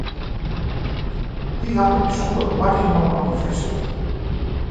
Hy hat in bysûnder plak ynnommen yn Fryslân.